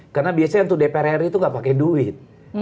karena biasanya untuk dpr ri itu nggak pakai duit